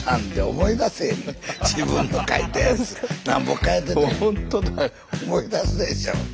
思い出すでしょ。